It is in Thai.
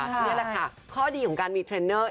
นี่แหละค่ะข้อดีของการมีเทรนเนอร์